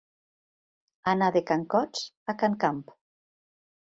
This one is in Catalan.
Anar de can Cots a can Camp.